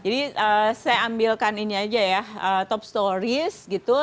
jadi saya ambilkan ini aja ya top stories gitu